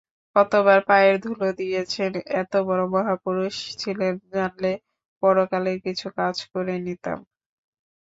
কতবার পায়ের ধুলো দিয়েছেন, এতবড় মহাপুরুষ ছিলেন জানলে পরকালের কিছু কাজ করে নিতাম।